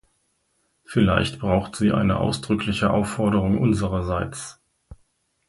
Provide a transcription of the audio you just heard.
Vielleicht braucht sie eine ausdrückliche Aufforderung unsererseits.